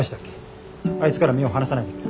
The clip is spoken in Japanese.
あいつから目を離さないでくれ。